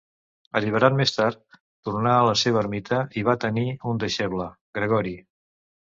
Alliberat més tard, tornà a la seva ermita i va tenir un deixeble, Gregori.